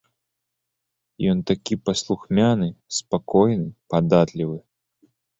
Ён такі паслухмяны, спакойны, падатлівы.